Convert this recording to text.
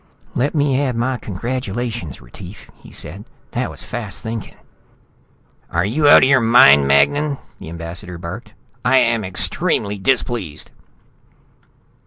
"Let me add my congratulations, Retief," he said. "That was fast thinking " "Are you out of your mind, Magnan?" the ambassador barked. "I am extremely displeased!"